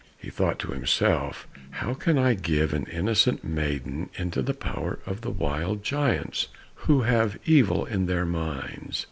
He thought to himself, "How can I give an innocent maiden into the power of the wild giants, who have evil in their minds?"